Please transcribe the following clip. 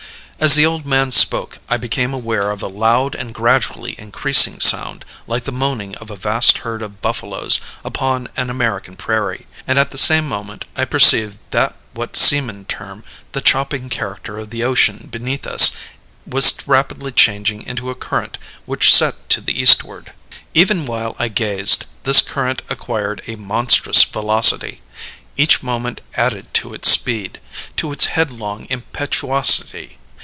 As the old man spoke I became aware of a loud and gradually increasing sound, like the moaning of a vast herd of buffaloes upon an American prairie; and at the same moment I perceived that what seamen term the chopping character of the ocean beneath us was rapidly changing into a current which set to the eastward. Even while I gazed, this current acquired a monstrous velocity. Each moment added to its speed to its headlong impetuosity.